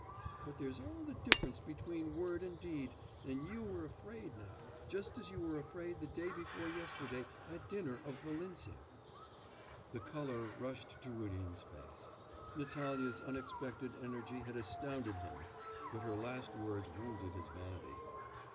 But there's all the difference between word and deed, and you were afraid now, just as you were afraid the day before yesterday at dinner of Volintsev.' The colour rushed to Rudin's face. Natalya's unexpected energy had astounded him; but her last words wounded his vanity.